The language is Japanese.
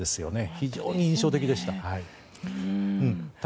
非常に印象的でした。